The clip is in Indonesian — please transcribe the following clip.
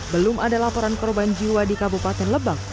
belum ada laporan korban jiwa di kabupaten lebak